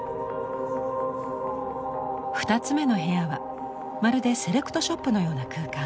２つ目の部屋はまるでセレクトショップのような空間。